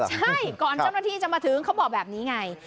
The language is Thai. ใช่ก่อนเจ้าหน้าที่จะมาถึงเขาบอกแบบนี้ไง